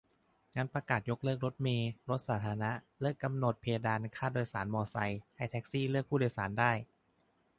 งั้นประกาศยกเลิกรถเมล์ รถสาธารณะ เลิกกำหนดเพดานค่าโดยสารมอไซค์ ให้แท็กซี่เลือกผู้โดยสารได้